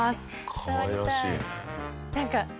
かわいらしいね。